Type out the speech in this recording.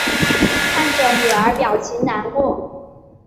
看着女儿表情难过